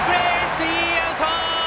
スリーアウト！